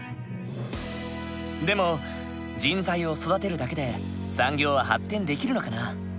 でも人材を育てるだけで産業は発展できるのかな？